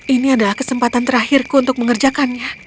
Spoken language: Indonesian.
ini adalah kesempatan terakhirku untuk mengerjakannya